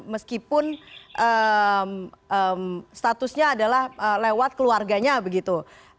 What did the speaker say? meskipun statusnya adalah lewat keluarganya begitu